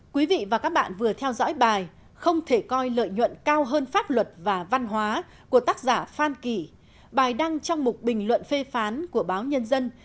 quý vị và các bạn vừa theo dõi bài không thể coi lợi nhuận cao hơn pháp luật và văn hóa của tác giả phan kỳ bài đăng trong một bình luận phê phán của báo nhân dân